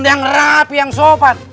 ada yang rapi yang sopan